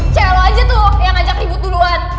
cewek aja tuh yang ngajak ribut duluan